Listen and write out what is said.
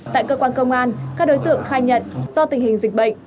tại cơ quan công an các đối tượng khai nhận do tình hình dịch bệnh